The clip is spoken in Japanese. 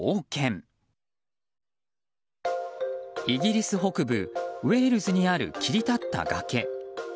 イギリス北部ウェールズにある切り立った崖。